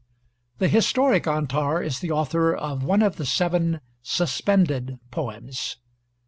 The historic Antar is the author of one of the seven "suspended poems."